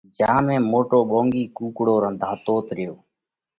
جيا ۾ موٽو ٻونڳي ڪُوڪڙو رنڌاتوت ريو۔